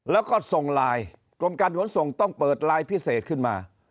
แล้วก็ส่งไลน์กรมการขนส่งต้องเปิดไลน์พิเศษขึ้นมา